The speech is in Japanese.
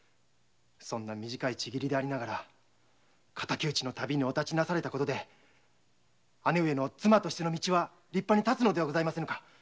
そんな短い契りでありながら敵討ちの旅にお立ちなされて姉上の妻としての道は立派に立つのではございませぬか。